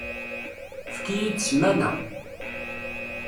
Efk-iyi-d ssmana.